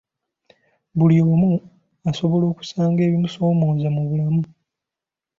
Buli omu asobola okusanga ebimusoomooza mu bulamu.